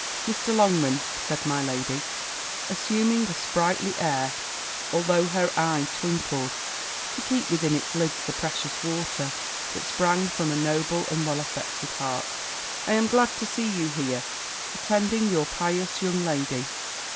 "Mr. Longman," said my lady, assuming a sprightly air, although her eye twinkled, to keep within its lids the precious water, that sprang from a noble and well affected heart, "I am glad to see you here, attending your pious young lady.